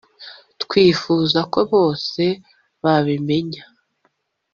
twifuza ko bose babimenya